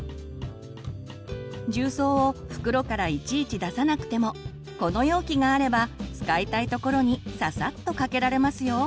重曹を袋からいちいち出さなくてもこの容器があれば使いたいところにささっとかけられますよ。